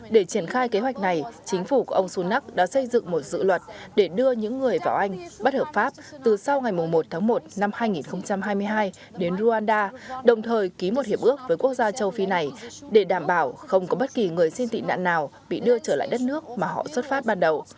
để triển khai kế hoạch này chính phủ của ông sunak đã xây dựng một dự luật để đưa những người vào anh bất hợp pháp từ sau ngày một tháng một năm hai nghìn hai mươi hai đến rwanda đồng thời ký một hiệp ước với quốc gia châu phi này để đảm bảo không có bất kỳ người xin tị nạn nào bị đưa trở lại đất nước mà họ xuất phát ban đầu